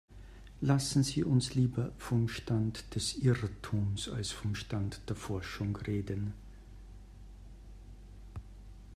Lassen Sie uns lieber vom Stand des Irrtums als vom Stand der Forschung reden.